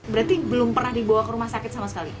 berarti belum pernah dibawa ke rumah sakit sama sekali